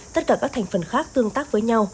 tất cả các thành phần khác tương tác với nhau